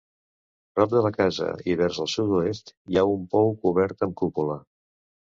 Prop de la casa i vers el sud-oest hi ha un pou cobert amb cúpula.